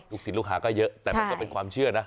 ศิลปลูกหาก็เยอะแต่มันก็เป็นความเชื่อนะ